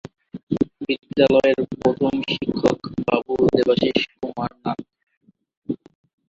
বিদ্যালয়ের প্রধান শিক্ষক বাবু দেবাশীষ কুমার নাথ।